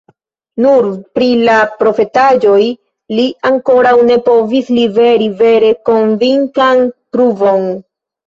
Nur pri la profetaĵoj li ankoraŭ ne povis liveri vere konvinkan pruvon.